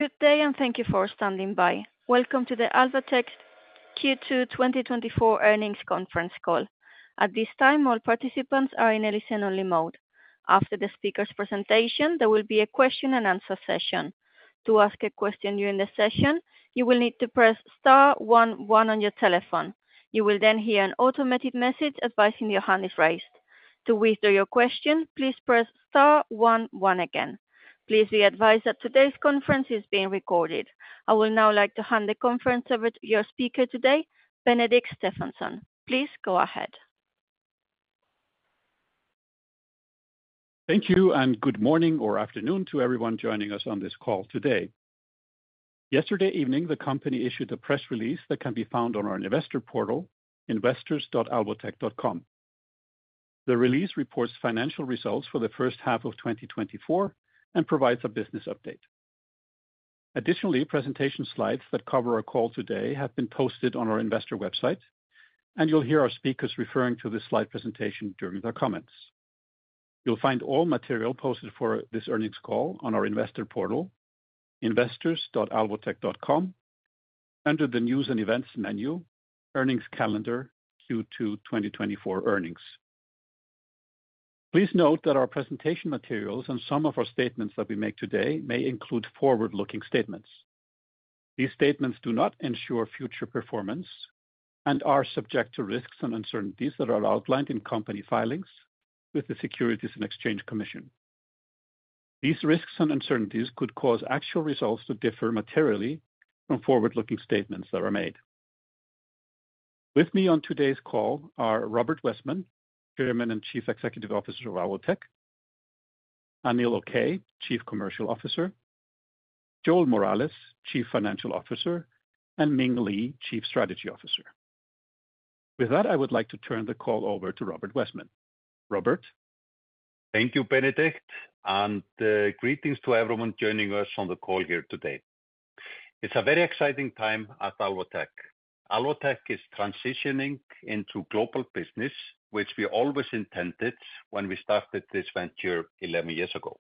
Good day, and thank you for standing by. Welcome to the Alvotech Q2 2024 Earnings Conference Call. At this time, all participants are in listen-only mode. After the speaker's presentation, there will be a question and answer session. To ask a question during the session, you will need to press star one one on your telephone. You will then hear an automated message advising your hand is raised. To withdraw your question, please press star one one again. Please be advised that today's conference is being recorded. I will now like to hand the conference over to your speaker today, Benedikt Stefansson. Please go ahead. Thank you, and good morning or afternoon to everyone joining us on this call today. Yesterday evening, the company issued a press release that can be found on our investor portal, investors.alvotech.com. The release reports financial results for the first half of 2024 and provides a business update. Additionally, presentation slides that cover our call today have been posted on our investor website, and you'll hear our speakers referring to this slide presentation during their comments. You'll find all material posted for this earnings call on our investor portal, investors.alvotech.com, under the News and Events menu, Earnings Calendar, Q2 2024 Earnings. Please note that our presentation materials and some of our statements that we make today may include forward-looking statements. These statements do not ensure future performance and are subject to risks and uncertainties that are outlined in company filings with the Securities and Exchange Commission. These risks and uncertainties could cause actual results to differ materially from forward-looking statements that were made. With me on today's call are Robert Wessman, Chairman and Chief Executive Officer of Alvotech, Anil Okay, Chief Commercial Officer, Joel Morales, Chief Financial Officer, and Ming Li, Chief Strategy Officer. With that, I would like to turn the call over to Robert Wessman. Robert? Thank you, Benedikt, and greetings to everyone joining us on the call here today. It's a very exciting time at Alvotech. Alvotech is transitioning into global business, which we always intended when we started this venture 11 years ago.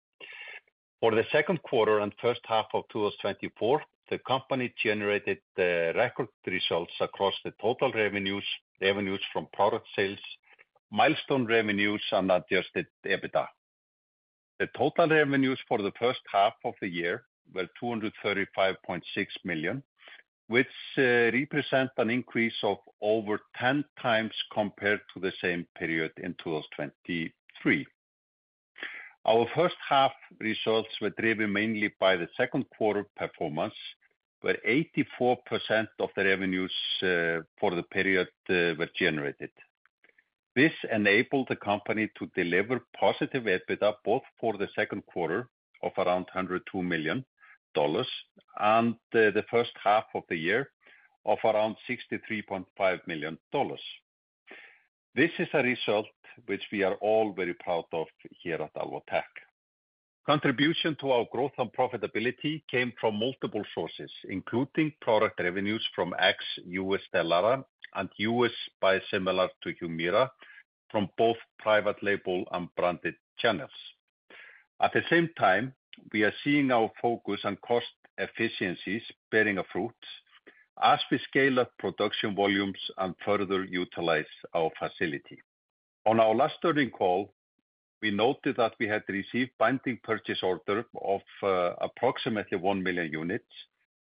For the second quarter and first half of 2024, the company generated record results across the total revenues, revenues from product sales, milestone revenues, and adjusted EBITDA. The total revenues for the first half of the year were $235.6 million, which represent an increase of over 10 times compared to the same period in 2023. Our first half results were driven mainly by the second quarter performance, where 84% of the revenues for the period were generated. This enabled the company to deliver positive EBITDA, both for the second quarter of around $102 million and the first half of the year of around $63.5 million. This is a result which we are all very proud of here at Alvotech. Contribution to our growth and profitability came from multiple sources, including product revenues from ex-US Stelara, and US biosimilar to Humira from both private label and branded channels. At the same time, we are seeing our focus on cost efficiencies bearing a fruit as we scale up production volumes and further utilize our facility. On our last earnings call, we noted that we had received binding purchase order of approximately one million units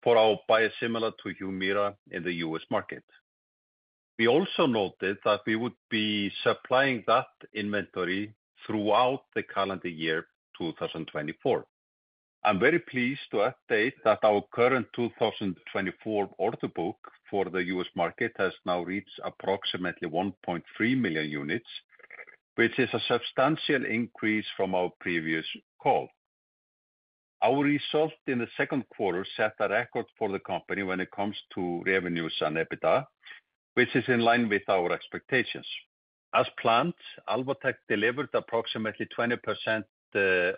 for our biosimilar to Humira in the US market. We also noted that we would be supplying that inventory throughout the calendar year, 2024. I'm very pleased to update that our current 2024 order book for the U.S. market has now reached approximately one point three million units, which is a substantial increase from our previous call. Our results in the second quarter set a record for the company when it comes to revenues and EBITDA, which is in line with our expectations. As planned, Alvotech delivered approximately 20%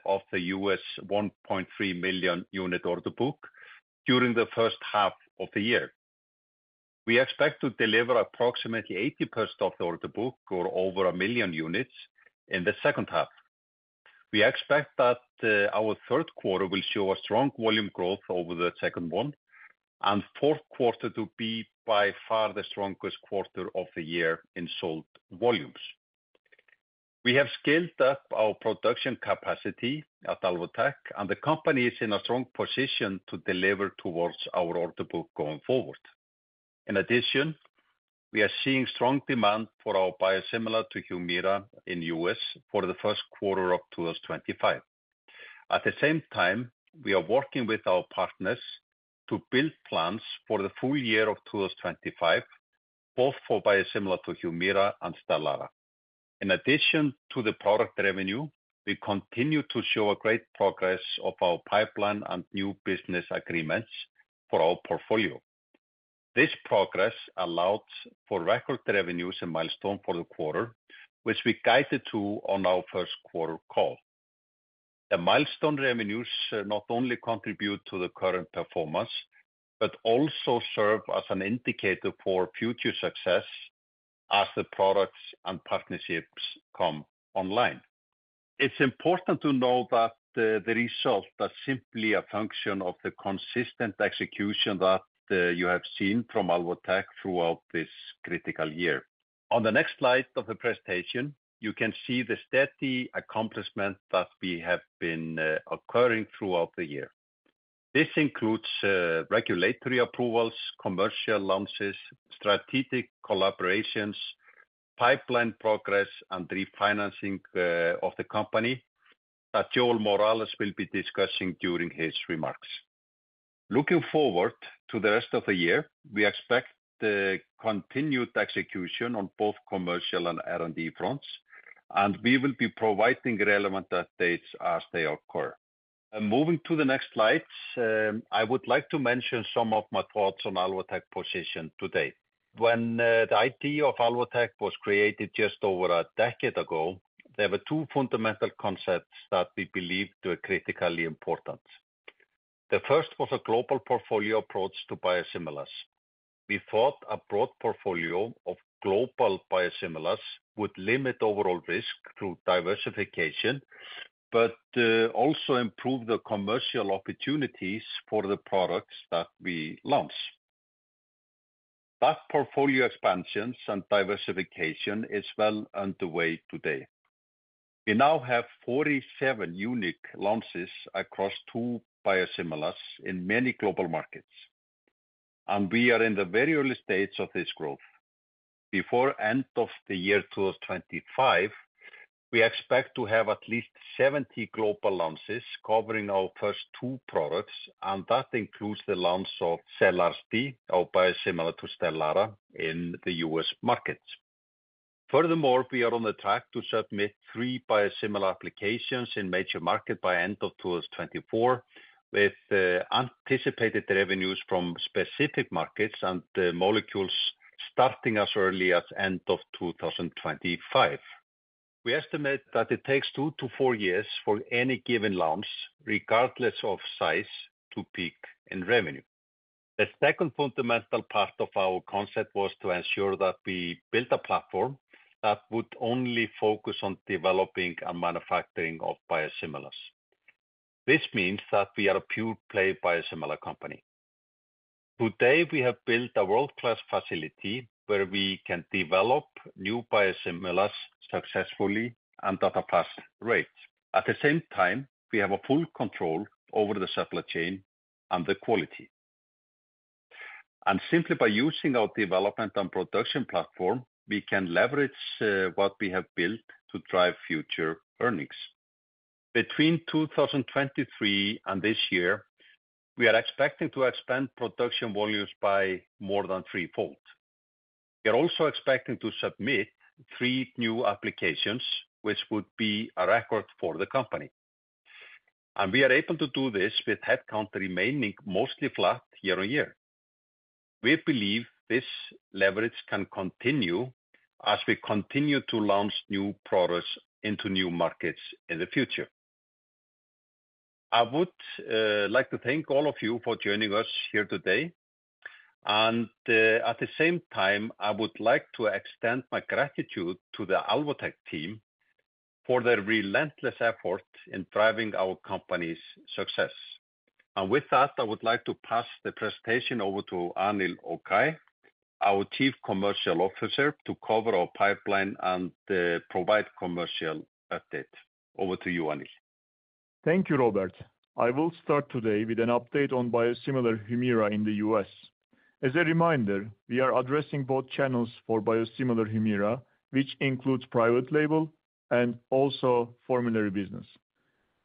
of the U.S. one point three million unit order book during the first half of the year. We expect to deliver approximately 80% of the order book, or over a million units, in the second half. We expect that our third quarter will show a strong volume growth over the second one, and fourth quarter to be by far the strongest quarter of the year in sold volumes. We have scaled up our production capacity at Alvotech, and the company is in a strong position to deliver towards our order book going forward. In addition, we are seeing strong demand for our biosimilar to Humira in the U.S. for the first quarter of 2025. At the same time, we are working with our partners to build plans for the full year of 2025, both for biosimilar to Humira and Stelara. In addition to the product revenue, we continue to show a great progress of our pipeline and new business agreements for our portfolio. This progress allows for record revenues and milestone for the quarter, which we guided to on our first quarter call. The milestone revenues not only contribute to the current performance, but also serve as an indicator for future success as the products and partnerships come online.... It's important to know that the results are simply a function of the consistent execution that you have seen from Alvotech throughout this critical year. On the next slide of the presentation, you can see the steady accomplishment that we have been achieving throughout the year. This includes regulatory approvals, commercial launches, strategic collaborations, pipeline progress, and refinancing of the company that Joel Morales will be discussing during his remarks. Looking forward to the rest of the year, we expect the continued execution on both commercial and R&D fronts, and we will be providing relevant updates as they occur. And moving to the next slides, I would like to mention some of my thoughts on Alvotech position today. When the idea of Alvotech was created just over a decade ago, there were two fundamental concepts that we believed were critically important. The first was a global portfolio approach to biosimilars. We thought a broad portfolio of global biosimilars would limit overall risk through diversification, but also improve the commercial opportunities for the products that we launch. That portfolio expansions and diversification is well underway today. We now have 47 unique launches across two biosimilars in many global markets, and we are in the very early stages of this growth. Before end of the year, 2025, we expect to have at least seventy global launches covering our first two products, and that includes the launch of Selarsdi, our biosimilar to Stelara in the US market. Furthermore, we are on the track to submit three biosimilar applications in major market by end of 2024, with anticipated revenues from specific markets and the molecules starting as early as end of 2025. We estimate that it takes two to four years for any given launch, regardless of size, to peak in revenue. The second fundamental part of our concept was to ensure that we built a platform that would only focus on developing and manufacturing of biosimilars. This means that we are a pure-play biosimilar company. Today, we have built a world-class facility, where we can develop new biosimilars successfully and at a fast rate. At the same time, we have full control over the supply chain and the quality, and simply by using our development and production platform, we can leverage what we have built to drive future earnings. Between 2023 and this year, we are expecting to expand production volumes by more than threefold. We are also expecting to submit three new applications, which would be a record for the company, and we are able to do this with headcount remaining mostly flat year on year. We believe this leverage can continue as we continue to launch new products into new markets in the future. I would like to thank all of you for joining us here today, and at the same time, I would like to extend my gratitude to the Alvotech team for their relentless effort in driving our company's success. And with that, I would like to pass the presentation over to Anil Okay, our Chief Commercial Officer, to cover our pipeline and provide commercial update. Over to you, Anil. Thank you, Robert. I will start today with an update on biosimilar Humira in the U.S. As a reminder, we are addressing both channels for biosimilar Humira, which includes private label and also formulary business.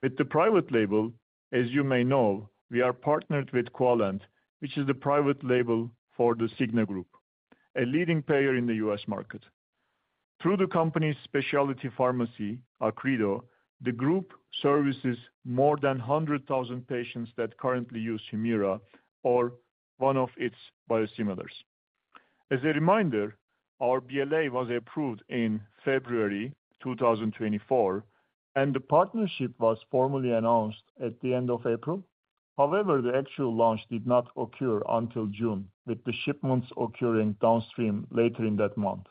With the private label, as you may know, we are partnered with Quallent, which is the private label for The Cigna Group, a leading payer in the U.S. market. Through the company's specialty pharmacy, Accredo, the group services more than 100,000 patients that currently use Humira or one of its biosimilars. As a reminder, our BLA was approved in February 2024, and the partnership was formally announced at the end of April. However, the actual launch did not occur until June, with the shipments occurring downstream later in that month.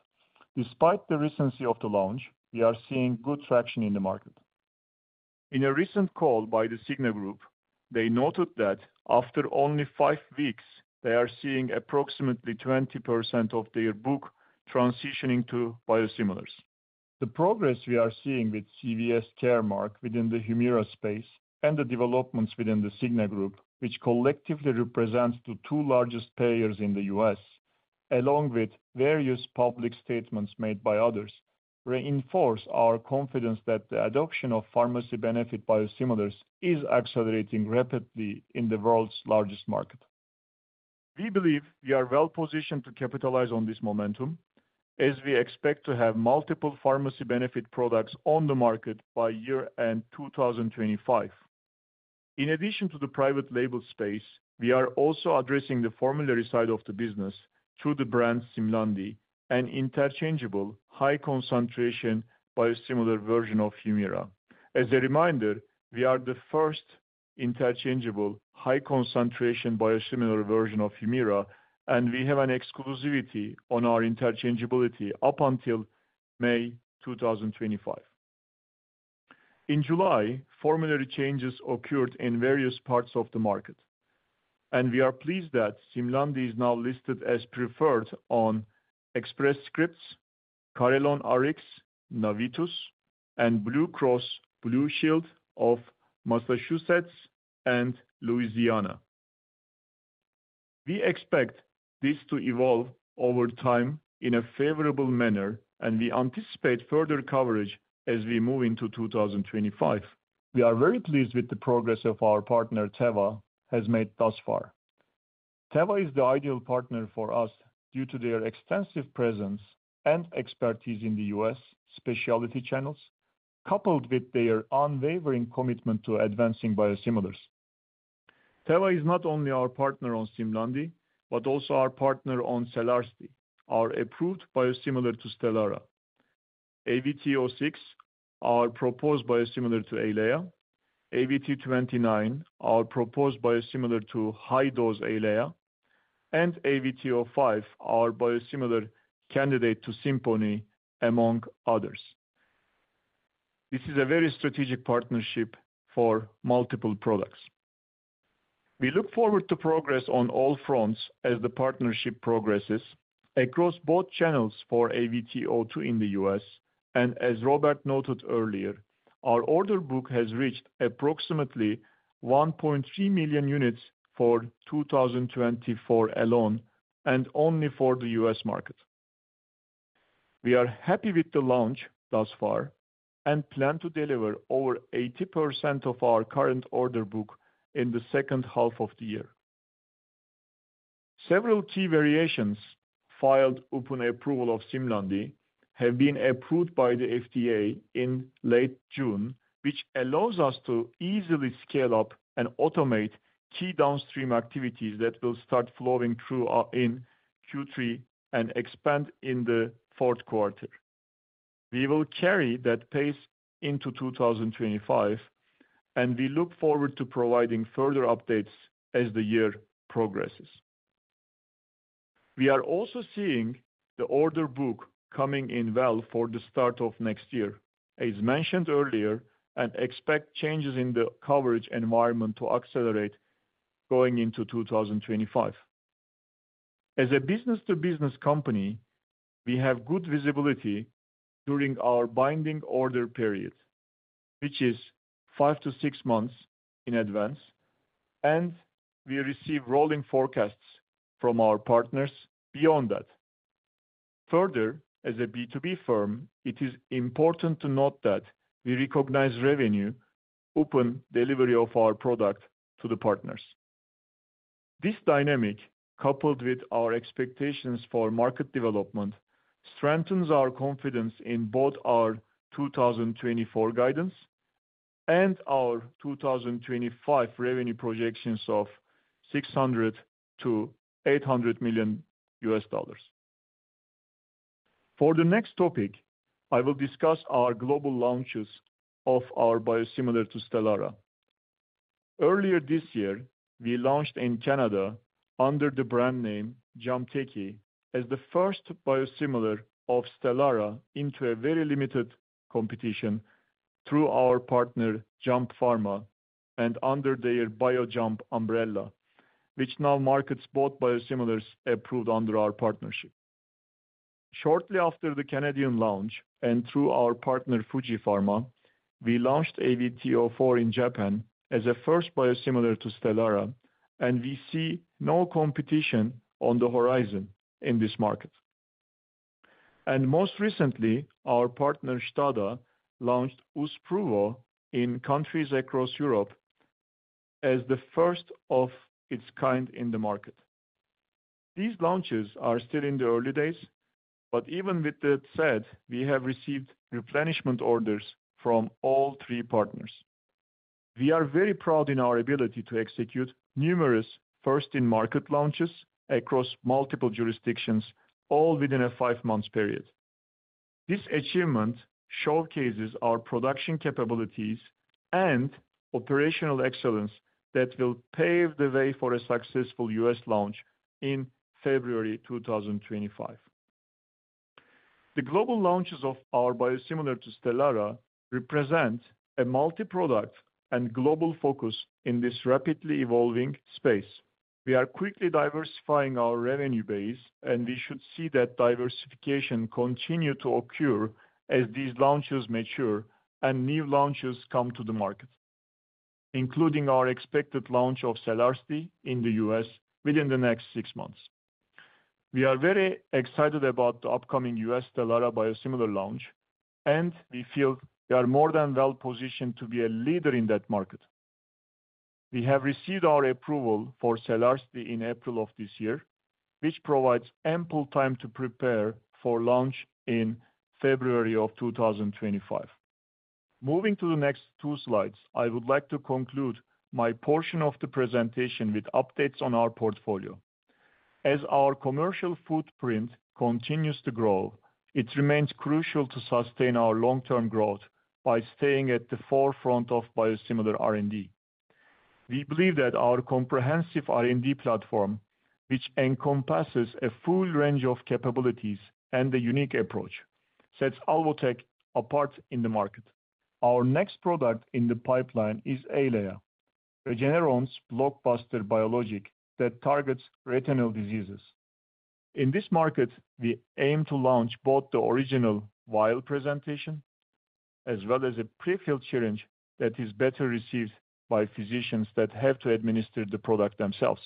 Despite the recency of the launch, we are seeing good traction in the market. In a recent call by the Cigna Group, they noted that after only five weeks, they are seeing approximately 20% of their book transitioning to biosimilars. The progress we are seeing with CVS Caremark within the Humira space and the developments within the Cigna Group, which collectively represents the two largest payers in the U.S., along with various public statements made by others, reinforce our confidence that the adoption of pharmacy benefit biosimilars is accelerating rapidly in the world's largest market. We believe we are well-positioned to capitalize on this momentum as we expect to have multiple pharmacy benefit products on the market by year-end 2025. In addition to the private label space, we are also addressing the formulary side of the business through the brand Simlandi, an interchangeable, high-concentration biosimilar version of Humira. As a reminder, we are the first-... interchangeable, high concentration biosimilar version of Humira, and we have an exclusivity on our interchangeability up until May 2025. In July, formulary changes occurred in various parts of the market, and we are pleased that Simlandi is now listed as preferred on Express Scripts, CarelonRx, Navitus, and Blue Cross Blue Shield of Massachusetts and Louisiana. We expect this to evolve over time in a favorable manner, and we anticipate further coverage as we move into 2025. We are very pleased with the progress of our partner, Teva, has made thus far. Teva is the ideal partner for us due to their extensive presence and expertise in the US specialty channels, coupled with their unwavering commitment to advancing biosimilars. Teva is not only our partner on Simlandi, but also our partner on Selarsdi, our approved biosimilar to Stelara. AVT-06, our proposed biosimilar to EYLEA, AVT-29, our proposed biosimilar to high-dose EYLEA, and AVT-05, our biosimilar candidate to Simponi, among others. This is a very strategic partnership for multiple products. We look forward to progress on all fronts as the partnership progresses across both channels for AVT-02 in the US, and as Robert noted earlier, our order book has reached approximately 1.3 million units for 2024 alone, and only for the US market. We are happy with the launch thus far, and plan to deliver over 80% of our current order book in the second half of the year. Several key variations filed upon approval of Simlandi have been approved by the FDA in late June, which allows us to easily scale up and automate key downstream activities that will start flowing through our- in Q3 and expand in the fourth quarter. We will carry that pace into 2025, and we look forward to providing further updates as the year progresses. We are also seeing the order book coming in well for the start of next year, as mentioned earlier, and expect changes in the coverage environment to accelerate going into 2025. As a business-to-business company, we have good visibility during our binding order period, which is 5-6 months in advance, and we receive rolling forecasts from our partners beyond that. Further, as a B2B firm, it is important to note that we recognize revenue upon delivery of our product to the partners. This dynamic, coupled with our expectations for market development, strengthens our confidence in both our 2024 guidance and our 2025 revenue projections of $600 million-$800 million. For the next topic, I will discuss our global launches of our biosimilar to Stelara. Earlier this year, we launched in Canada under the brand name Jamteki, as the first biosimilar of Stelara into a very limited competition through our partner, JAMP Pharma, and under their BioJAMP umbrella, which now markets both biosimilars approved under our partnership. Shortly after the Canadian launch, and through our partner, Fuji Pharma, we launched AVT-04 in Japan as a first biosimilar to Stelara, and we see no competition on the horizon in this market, and most recently, our partner, Stada, launched Uzpruvo in countries across Europe as the first of its kind in the market. These launches are still in the early days, but even with that said, we have received replenishment orders from all three partners. We are very proud in our ability to execute numerous first-in-market launches across multiple jurisdictions, all within a five-month period. This achievement showcases our production capabilities and operational excellence that will pave the way for a successful U.S. launch in February 2025. The global launches of our biosimilar to Stelara represent a multi-product and global focus in this rapidly evolving space. We are quickly diversifying our revenue base, and we should see that diversification continue to occur as these launches mature and new launches come to the market, including our expected launch of Selarsdi in the U.S. within the next 6 months. We are very excited about the upcoming U.S. Stelara biosimilar launch, and we feel we are more than well positioned to be a leader in that market. We have received our approval for Selarsdi in April of this year, which provides ample time to prepare for launch in February of 2025. Moving to the next two slides, I would like to conclude my portion of the presentation with updates on our portfolio. As our commercial footprint continues to grow, it remains crucial to sustain our long-term growth by staying at the forefront of biosimilar R&D. We believe that our comprehensive R&D platform, which encompasses a full range of capabilities and a unique approach, sets Alvotech apart in the market. Our next product in the pipeline is EYLEA, Regeneron's blockbuster biologic that targets retinal diseases. In this market, we aim to launch both the original vial presentation, as well as a prefilled syringe that is better received by physicians that have to administer the product themselves.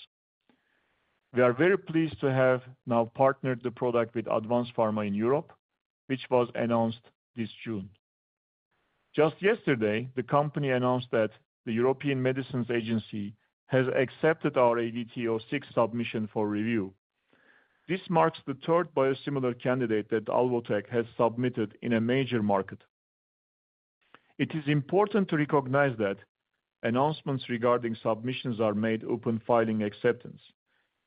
We are very pleased to have now partnered the product with Advanz Pharma in Europe, which was announced this June. Just yesterday, the company announced that the European Medicines Agency has accepted our AVT-06 submission for review. This marks the third biosimilar candidate that Alvotech has submitted in a major market. It is important to recognize that announcements regarding submissions are made upon filing acceptance,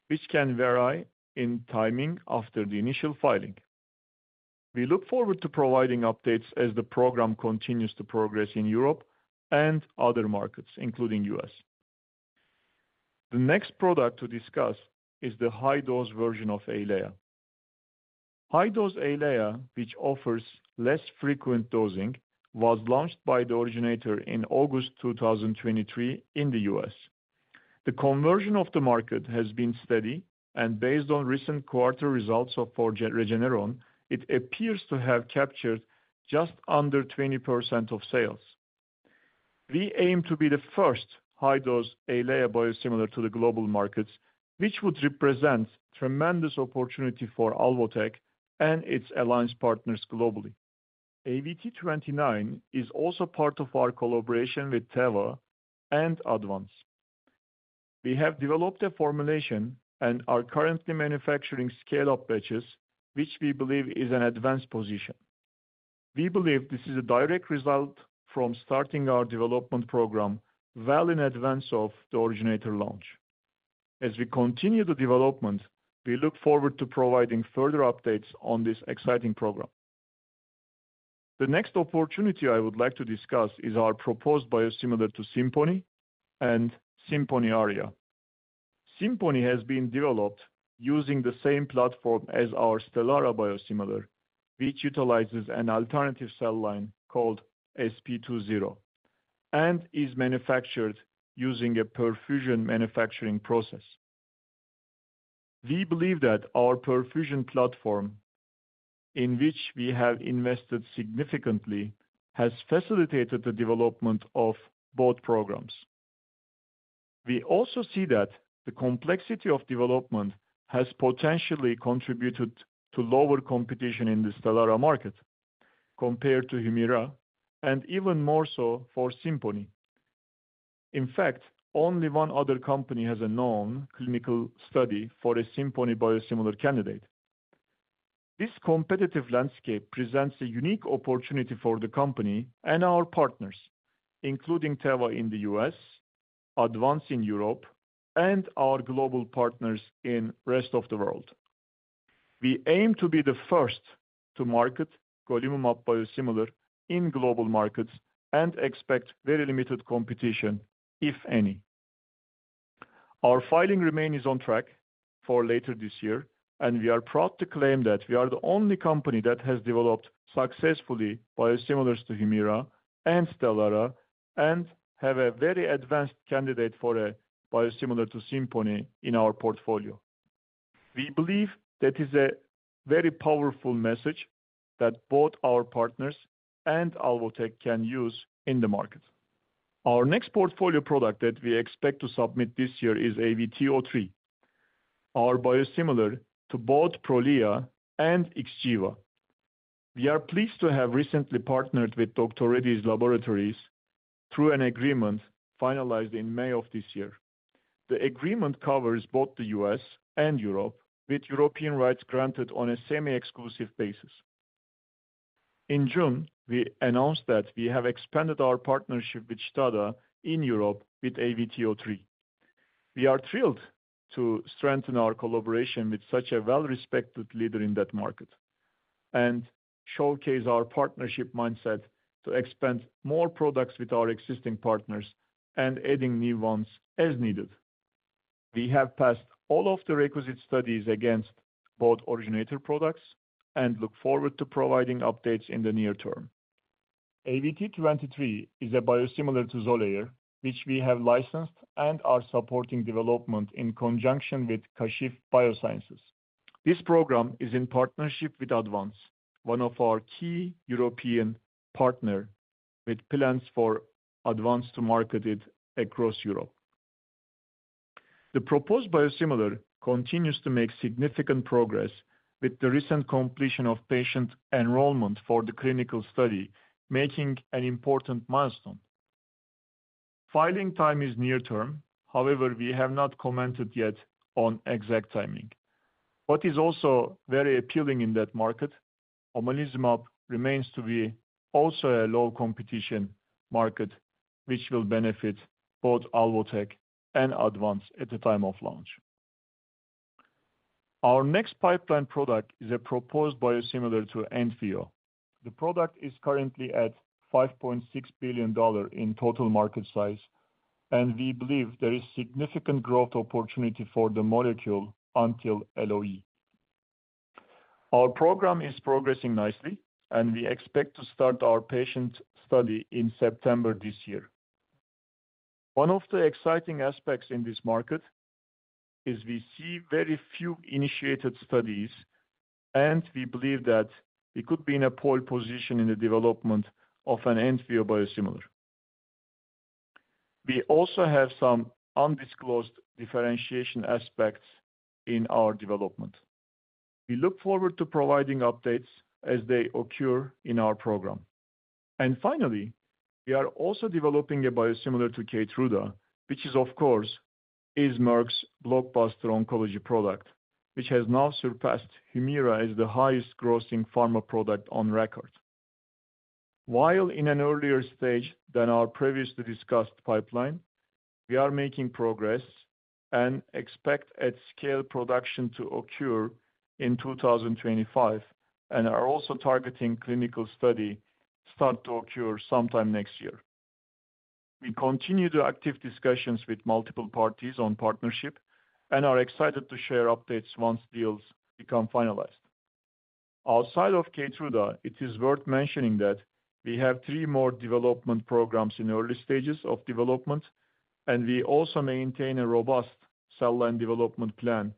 which can vary in timing after the initial filing. We look forward to providing updates as the program continues to progress in Europe and other markets, including US. The next product to discuss is the high-dose version of EYLEA. High-dose EYLEA, which offers less frequent dosing, was launched by the originator in August 2023 in the US. The conversion of the market has been steady, and based on recent quarterly results for Regeneron, it appears to have captured just under 20% of sales. We aim to be the first high-dose EYLEA biosimilar to the global markets, which would represent tremendous opportunity for Alvotech and its alliance partners globally. AVT-29 is also part of our collaboration with Teva and Advanz Pharma. We have developed a formulation and are currently manufacturing scale-up batches, which we believe is an advanced position. We believe this is a direct result from starting our development program well in advance of the originator launch. As we continue the development, we look forward to providing further updates on this exciting program. The next opportunity I would like to discuss is our proposed biosimilar to Simponi and Simponi Aria. Simponi has been developed using the same platform as our Stelara biosimilar, which utilizes an alternative cell line called SP2/0, and is manufactured using a perfusion manufacturing process. We believe that our perfusion platform, in which we have invested significantly, has facilitated the development of both programs. We also see that the complexity of development has potentially contributed to lower competition in the Stelara market compared to Humira, and even more so for Simponi. In fact, only one other company has a known clinical study for a Simponi biosimilar candidate. This competitive landscape presents a unique opportunity for the company and our partners, including Teva in the US, Advanz in Europe, and our global partners in rest of the world. We aim to be the first to market golimumab biosimilar in global markets and expect very limited competition, if any. Our filing remains on track for later this year, and we are proud to claim that we are the only company that has developed successfully biosimilars to Humira and Stelara, and have a very advanced candidate for a biosimilar to Simponi in our portfolio. We believe that is a very powerful message that both our partners and Alvotech can use in the market. Our next portfolio product that we expect to submit this year is AVT-03, our biosimilar to both Prolia and Xgeva. We are pleased to have recently partnered with Dr. Reddy's Laboratories through an agreement finalized in May of this year. The agreement covers both the U.S. and Europe, with European rights granted on a semi-exclusive basis. In June, we announced that we have expanded our partnership with Stada in Europe with AVT-03. We are thrilled to strengthen our collaboration with such a well-respected leader in that market, and showcase our partnership mindset to expand more products with our existing partners and adding new ones as needed. We have passed all of the requisite studies against both originator products and look forward to providing updates in the near term. AVT-23 is a biosimilar to Xolair, which we have licensed and are supporting development in conjunction with Kashiv BioSciences. This program is in partnership with Advanz, one of our key European partner, with plans for Advanz to market it across Europe. The proposed biosimilar continues to make significant progress with the recent completion of patient enrollment for the clinical study, making an important milestone. Filing time is near-term. However, we have not commented yet on exact timing. What is also very appealing in that market, Omalizumab remains to be also a low competition market, which will benefit both Alvotech and Advanz at the time of launch. Our next pipeline product is a proposed biosimilar to Entyvio. The product is currently at $5.6 billion in total market size, and we believe there is significant growth opportunity for the molecule until LOE. Our program is progressing nicely, and we expect to start our patient study in September this year. One of the exciting aspects in this market is we see very few initiated studies, and we believe that we could be in a pole position in the development of an Entyvio biosimilar. We also have some undisclosed differentiation aspects in our development. We look forward to providing updates as they occur in our program. Finally, we are also developing a biosimilar to Keytruda, which is, of course, Merck's blockbuster oncology product, which has now surpassed Humira as the highest grossing pharma product on record. While in an earlier stage than our previously discussed pipeline, we are making progress and expect at-scale production to occur in 2025, and are also targeting clinical study start to occur sometime next year. We continue the active discussions with multiple parties on partnership and are excited to share updates once deals become finalized. Outside of Keytruda, it is worth mentioning that we have three more development programs in the early stages of development, and we also maintain a robust cell line development plan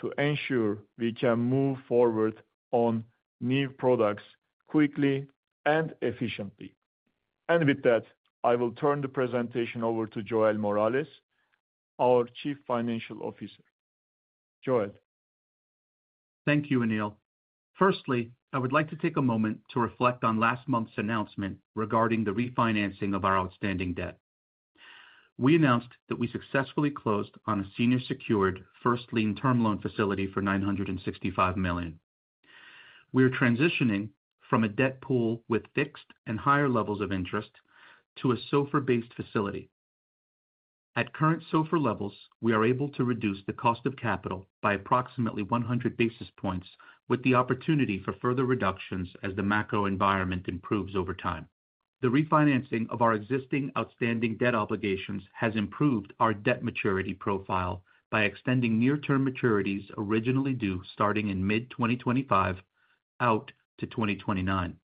to ensure we can move forward on new products quickly and efficiently. With that, I will turn the presentation over to Joel Morales, our Chief Financial Officer. Joel? Thank you, Anil. Firstly, I would like to take a moment to reflect on last month's announcement regarding the refinancing of our outstanding debt. We announced that we successfully closed on a senior secured first lien term loan facility for $965 million. We are transitioning from a debt pool with fixed and higher levels of interest to a SOFR-based facility. At current SOFR levels, we are able to reduce the cost of capital by approximately 100 basis points, with the opportunity for further reductions as the macro environment improves over time. The refinancing of our existing outstanding debt obligations has improved our debt maturity profile by extending near-term maturities originally due, starting in mid-2025 out to 2029.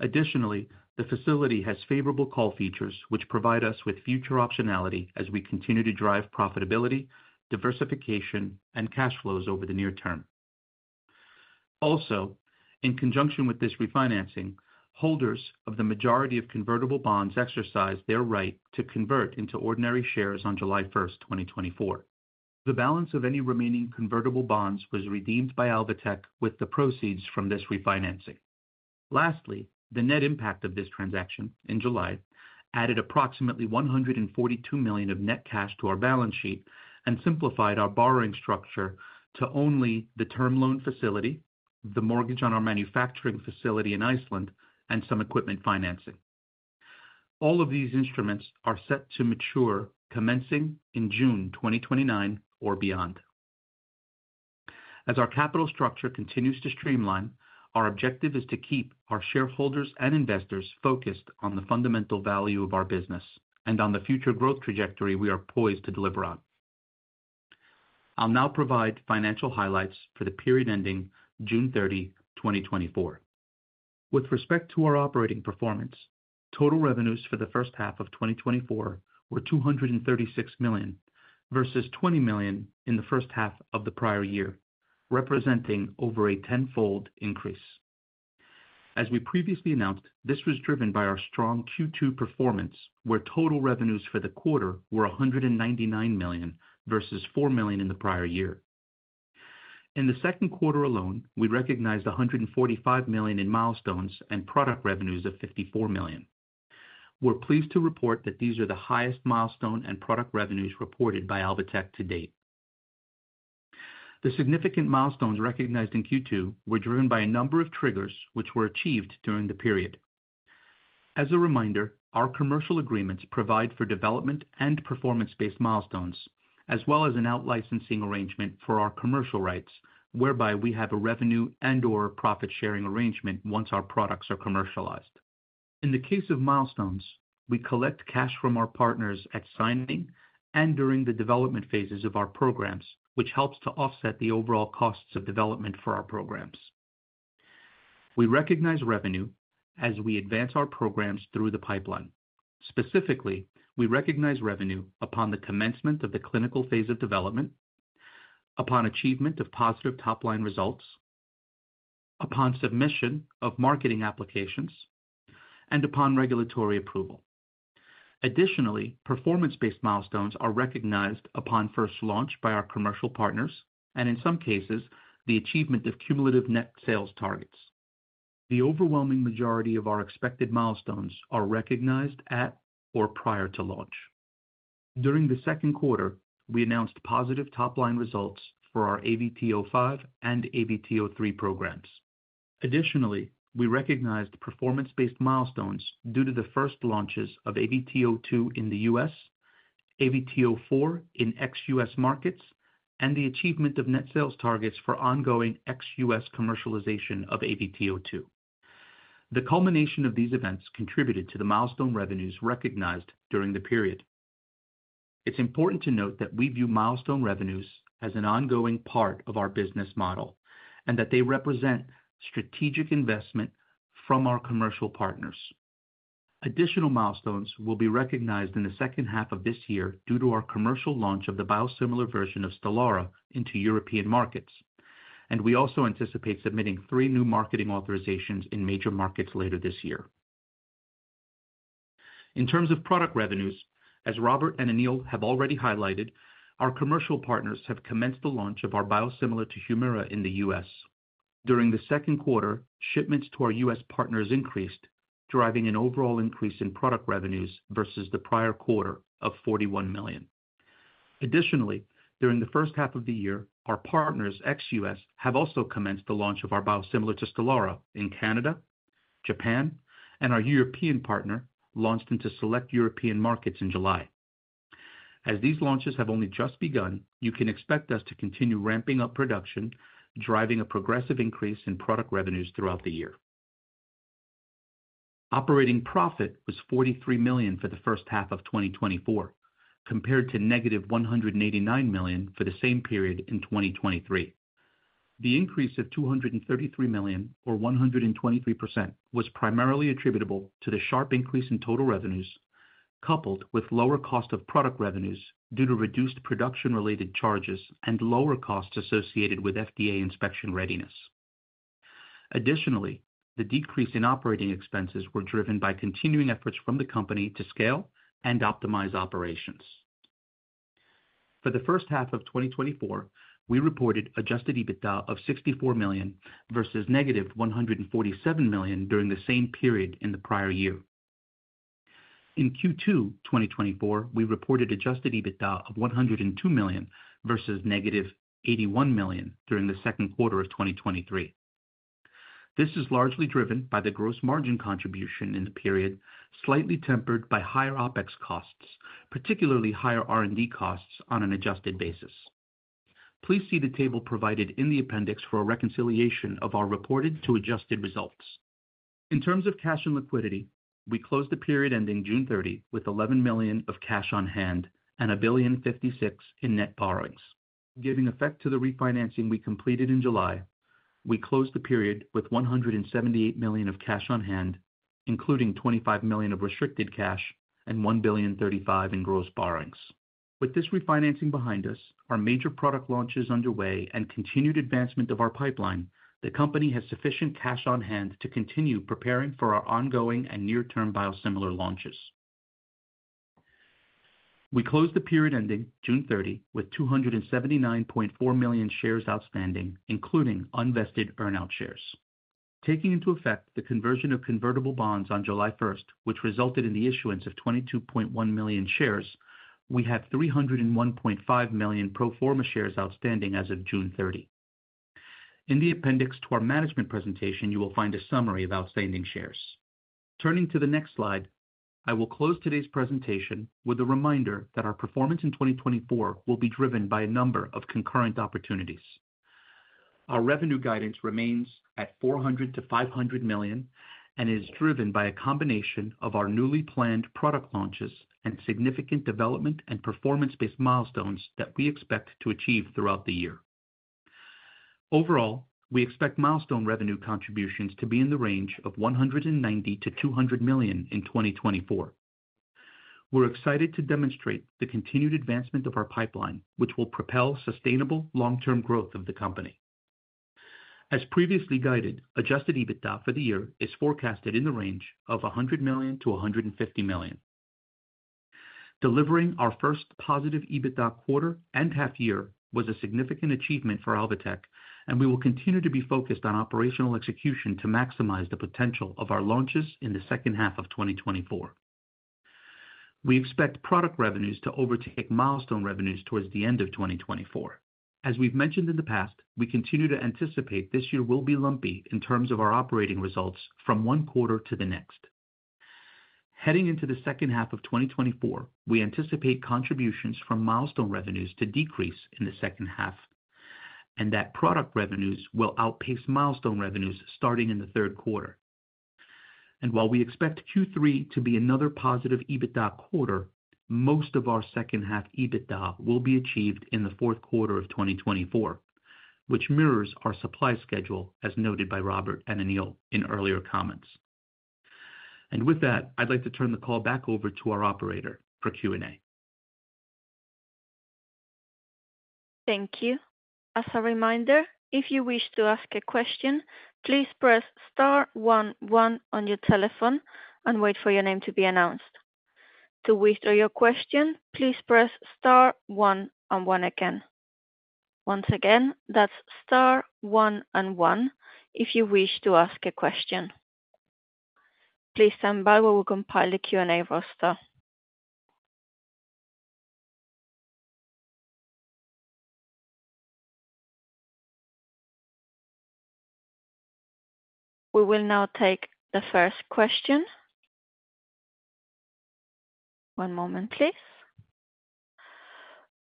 Additionally, the facility has favorable call features, which provide us with future optionality as we continue to drive profitability, diversification, and cash flows over the near term. Also, in conjunction with this refinancing, holders of the majority of convertible bonds exercised their right to convert into ordinary shares on July first, 2024. The balance of any remaining convertible bonds was redeemed by Alvotech with the proceeds from this refinancing. Lastly, the net impact of this transaction in July added approximately $142 million of net cash to our balance sheet and simplified our borrowing structure to only the term loan facility, the mortgage on our manufacturing facility in Iceland, and some equipment financing. All of these instruments are set to mature, commencing in June 2029 or beyond. As our capital structure continues to streamline, our objective is to keep our shareholders and investors focused on the fundamental value of our business and on the future growth trajectory we are poised to deliver on. I'll now provide financial highlights for the period ending June 30, 2024. With respect to our operating performance, total revenues for the first half of 2024 were $236 million, versus $20 million in the first half of the prior year, representing over a 10-fold increase. As we previously announced, this was driven by our strong Q2 performance, where total revenues for the quarter were $199 million, versus $4 million in the prior year. In the second quarter alone, we recognized $145 million in milestones and product revenues of $54 million. We're pleased to report that these are the highest milestone and product revenues reported by Alvotech to date. The significant milestones recognized in Q2 were driven by a number of triggers which were achieved during the period. As a reminder, our commercial agreements provide for development and performance-based milestones, as well as an out-licensing arrangement for our commercial rights, whereby we have a revenue and/or profit-sharing arrangement once our products are commercialized. In the case of milestones, we collect cash from our partners at signing and during the development phases of our programs, which helps to offset the overall costs of development for our programs. We recognize revenue as we advance our programs through the pipeline. Specifically, we recognize revenue upon the commencement of the clinical phase of development, upon achievement of positive top-line results, upon submission of marketing applications, and upon regulatory approval. Additionally, performance-based milestones are recognized upon first launch by our commercial partners and in some cases, the achievement of cumulative net sales targets. The overwhelming majority of our expected milestones are recognized at or prior to launch.... During the second quarter, we announced positive top-line results for our AVT-05 and AVT-03 programs. Additionally, we recognized performance-based milestones due to the first launches of AVT-02 in the U.S., AVT-04 in ex-US markets, and the achievement of net sales targets for ongoing ex-US commercialization of AVT-02. The culmination of these events contributed to the milestone revenues recognized during the period. It's important to note that we view milestone revenues as an ongoing part of our business model, and that they represent strategic investment from our commercial partners. Additional milestones will be recognized in the second half of this year due to our commercial launch of the biosimilar version of Stelara into European markets, and we also anticipate submitting three new marketing authorizations in major markets later this year. In terms of product revenues, as Robert and Anil have already highlighted, our commercial partners have commenced the launch of our biosimilar to Humira in the U.S. During the second quarter, shipments to our U.S. partners increased, driving an overall increase in product revenues versus the prior quarter of $41 million. Additionally, during the first half of the year, our partners ex-U.S., have also commenced the launch of our biosimilar to Stelara in Canada, Japan, and our European partner launched into select European markets in July. As these launches have only just begun, you can expect us to continue ramping up production, driving a progressive increase in product revenues throughout the year. Operating profit was $43 million for the first half of 2024, compared to negative $189 million for the same period in 2023. The increase of $233 million or 123%, was primarily attributable to the sharp increase in total revenues, coupled with lower cost of product revenues due to reduced production-related charges and lower costs associated with FDA inspection readiness. Additionally, the decrease in operating expenses were driven by continuing efforts from the company to scale and optimize operations. For the first half of 2024, we reported adjusted EBITDA of $64 million versus negative $147 million during the same period in the prior year. In Q2 2024, we reported adjusted EBITDA of $102 million versus negative $81 million during the second quarter of 2023. This is largely driven by the gross margin contribution in the period, slightly tempered by higher OpEx costs, particularly higher R&D costs on an adjusted basis. Please see the table provided in the appendix for a reconciliation of our reported to adjusted results. In terms of cash and liquidity, we closed the period ending June 30, with $11 million of cash on hand and $1.056 billion in net borrowings. Giving effect to the refinancing we completed in July, we closed the period with $178 million of cash on hand, including $25 million of restricted cash and $1.035 billion in gross borrowings. With this refinancing behind us, our major product launch is underway and continued advancement of our pipeline. The company has sufficient cash on hand to continue preparing for our ongoing and near-term biosimilar launches. We closed the period ending June 30, with 279.4 million shares outstanding, including unvested earn-out shares. Taking into effect the conversion of convertible bonds on July 1, which resulted in the issuance of 22.1 million shares, we had 301.5 million pro forma shares outstanding as of June 30. In the appendix to our management presentation, you will find a summary of outstanding shares. Turning to the next slide, I will close today's presentation with a reminder that our performance in 2024 will be driven by a number of concurrent opportunities. Our revenue guidance remains at $400 million-$500 million and is driven by a combination of our newly planned product launches and significant development and performance-based milestones that we expect to achieve throughout the year. Overall, we expect milestone revenue contributions to be in the range of $190 million-$200 million in 2024. We're excited to demonstrate the continued advancement of our pipeline, which will propel sustainable long-term growth of the company. As previously guided, Adjusted EBITDA for the year is forecasted in the range of $100 million-$150 million. Delivering our first positive EBITDA quarter and half year was a significant achievement for Alvotech, and we will continue to be focused on operational execution to maximize the potential of our launches in the second half of 2024. We expect product revenues to overtake milestone revenues towards the end of 2024. As we've mentioned in the past, we continue to anticipate this year will be lumpy in terms of our operating results from one quarter to the next. Heading into the second half of 2024, we anticipate contributions from milestone revenues to decrease in the second half, and that product revenues will outpace milestone revenues starting in the third quarter. While we expect Q3 to be another positive EBITDA quarter, most of our second half EBITDA will be achieved in the fourth quarter of 2024, which mirrors our supply schedule, as noted by Robert and Anil in earlier comments. With that, I'd like to turn the call back over to our operator for Q&A. Thank you. As a reminder, if you wish to ask a question, please press star one one on your telephone and wait for your name to be announced. To withdraw your question, please press star one and one again. Once again, that's star one and one if you wish to ask a question. Please stand by while we compile the Q&A roster. We will now take the first question. One moment, please.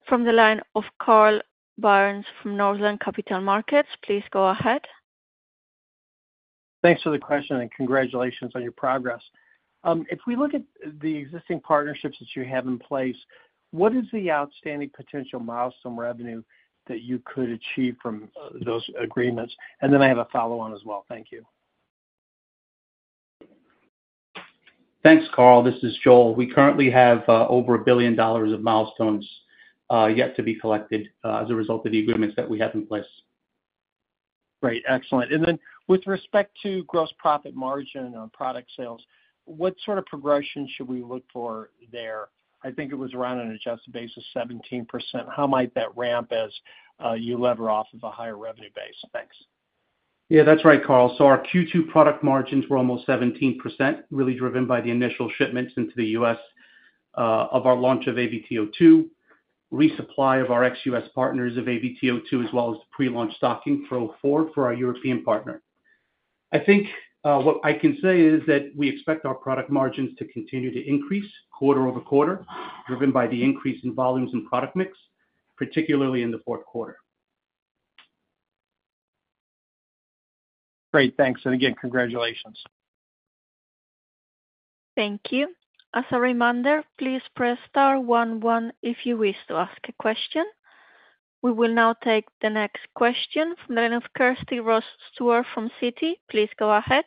From the line of Carl Byrnes from Northland Capital Markets, please go ahead. Thanks for the question, and congratulations on your progress. If we look at the existing partnerships that you have in place, what is the outstanding potential milestone revenue that you could achieve from those agreements? And then I have a follow-on as well. Thank you. Thanks, Carl. This is Joel. We currently have over $1 billion of milestones yet to be collected as a result of the agreements that we have in place. Great, excellent. And then with respect to gross profit margin on product sales, what sort of progression should we look for there? I think it was around an adjusted basis, 17%. How might that ramp as you lever off of a higher revenue base? Thanks. Yeah, that's right, Carl. So our Q2 product margins were almost 17%, really driven by the initial shipments into the U.S. of our launch of AVT-02, resupply of our ex-US partners of AVT-02, as well as the pre-launch stocking for our European partner. I think what I can say is that we expect our product margins to continue to increase quarter over quarter, driven by the increase in volumes and product mix, particularly in the fourth quarter. Great, thanks. And again, congratulations. Thank you. As a reminder, please press star one, one if you wish to ask a question. We will now take the next question from the line of Kirsty Ross Stewart from Citi. Please go ahead.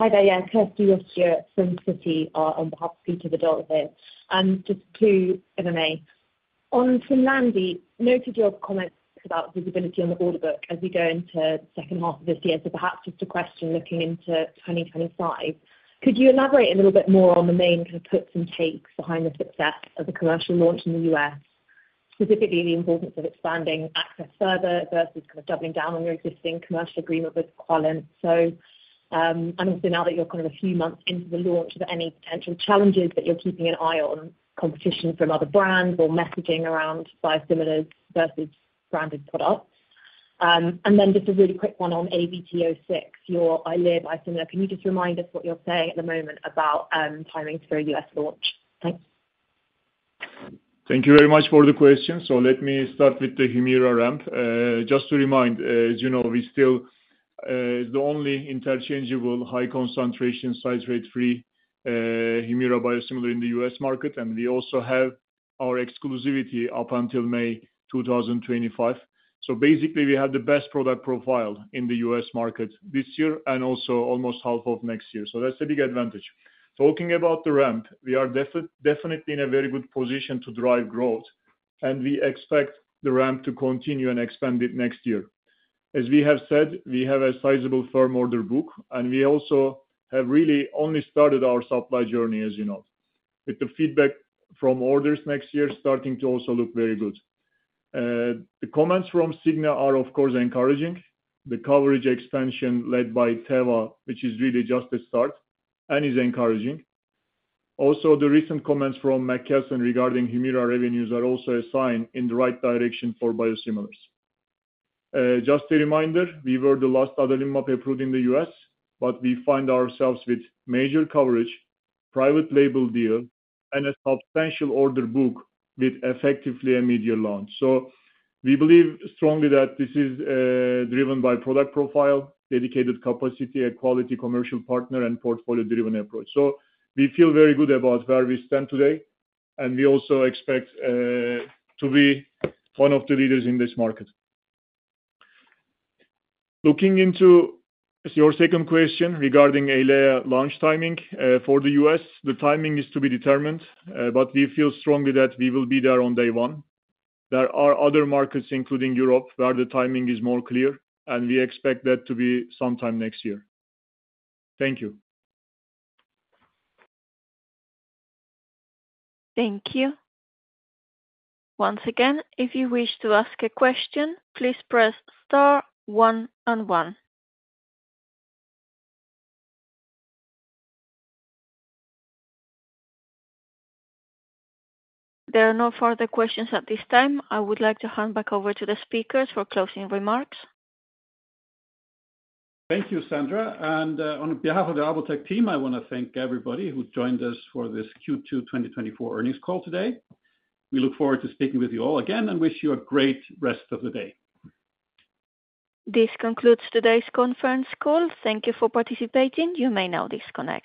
Hi there, yeah, Kirsty Ross here from Citi, on behalf of Peter Verdult here. And just two M&A. On Simlandi, noted your comments about visibility on the order book as we go into second half of this year. So perhaps just a question looking into 2025. Could you elaborate a little bit more on the main kind of puts and takes behind the success of the commercial launch in the US? Specifically, the importance of expanding access further versus kind of doubling down on your existing commercial agreement with Teva. So, and so now that you're kind of a few months into the launch, are there any potential challenges that you're keeping an eye on, competition from other brands or messaging around biosimilars versus branded products? And then just a really quick one on AVT-06, your EYLEA biosimilar. Can you just remind us what you're saying at the moment about timings for a U.S. launch? Thanks. Thank you very much for the question. So let me start with the Humira ramp. Just to remind, as you know, we still the only interchangeable high-concentration citrate-free Humira biosimilar in the U.S. market, and we also have our exclusivity up until May 2025. So basically, we have the best product profile in the U.S. market this year and also almost half of next year. So that's a big advantage. Talking about the ramp, we are definitely in a very good position to drive growth, and we expect the ramp to continue and expand it next year. As we have said, we have a sizable firm order book, and we also have really only started our supply journey, as you know. With the feedback from orders next year starting to also look very good. The comments from Cigna are, of course, encouraging. The coverage expansion led by Teva, which is really just a start and is encouraging. Also, the recent comments from McKesson regarding Humira revenues are also a sign in the right direction for biosimilars. Just a reminder, we were the last Adalimumab approved in the US, but we find ourselves with major coverage, private label deal, and a substantial order book with effectively a media launch. So we believe strongly that this is, driven by product profile, dedicated capacity, a quality commercial partner, and portfolio-driven approach. So we feel very good about where we stand today, and we also expect, to be one of the leaders in this market. Looking into your second question regarding EYLEA launch timing. For the U.S., the timing is to be determined, but we feel strongly that we will be there on day one. There are other markets, including Europe, where the timing is more clear, and we expect that to be sometime next year. Thank you. Thank you. Once again, if you wish to ask a question, please press star one and one. There are no further questions at this time. I would like to hand back over to the speakers for closing remarks. Thank you, Sandra, and on behalf of the Alvotech team, I want to thank everybody who joined us for this Q2 2024 earnings call today. We look forward to speaking with you all again and wish you a great rest of the day. This concludes today's conference call. Thank you for participating. You may now disconnect.